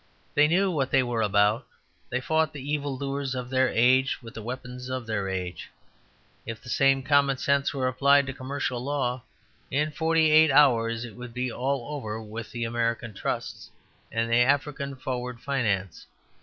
They knew what they were about; they fought the evildoers of their age with the weapons of their age. If the same common sense were applied to commercial law, in forty eight hours it would be all over with the American Trusts and the African forward finance.